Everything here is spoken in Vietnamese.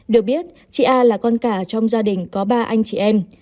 được biết chị a là con cả trong gia đình có ba anh chị em